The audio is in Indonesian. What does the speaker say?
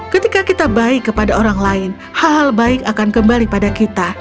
ketika kita baik kepada orang lain hal hal baik akan kembali pada kita